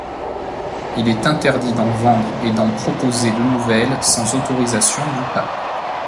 Il est interdit d'en vendre et d'en proposer de nouvelles sans autorisation du pape.